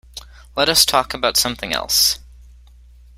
Let us talk about something else.